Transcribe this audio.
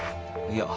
いや。